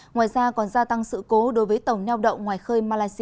ngoài ra còn gia tăng sự cố đối với tổng neo động ngoài khơi malaysia